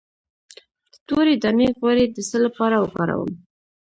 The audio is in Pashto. د تورې دانې غوړي د څه لپاره وکاروم؟